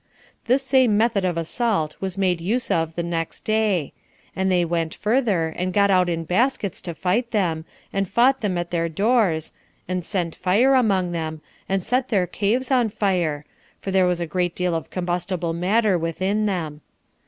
The same method of assault was made use of the next day; and they went further, and got out in baskets to fight them, and fought them at their doors, and sent fire among them, and set their caves on fire, for there was a great deal of combustible matter within them.